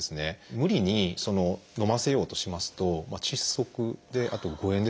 無理に飲ませようとしますと窒息あと誤嚥ですね